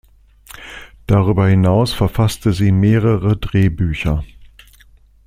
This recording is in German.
Darüber hinaus verfasste sie mehrere Drehbücher.